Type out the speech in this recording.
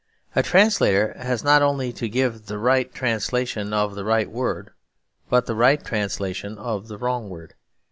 A translator has not only to give the right translation of the right word but the right translation of the wrong word.